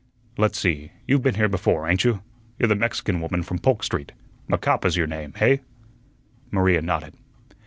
"Let's see; you've been here before, ain't you? You're the Mexican woman from Polk Street. Macapa's your name, hey?" Maria nodded.